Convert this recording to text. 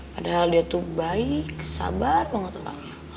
padahal dia tuh baik sabar banget orangnya